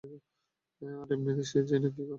আর এমনেতেই সে জেনে কী করবে?